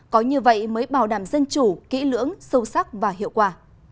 có như vậy mới bảo đảm dân chủ kỹ lưỡng sâu sắc và hiệu quả